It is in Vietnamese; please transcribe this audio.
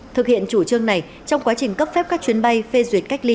thực hiện chủ trương này trong quá trình cấp phép các chuyến bay phê duyệt cách ly